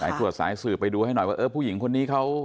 ตรวจสายสืบไปดูให้หน่อยว่าเออผู้หญิงคนนี้เขา